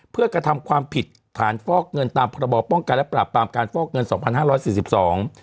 เพื่อกระทำความผิดฐานฟอกเงินตามพรบป้องกันและปราบปรามการฟอกเงินสองพันห้าร้อยสี่สิบสอง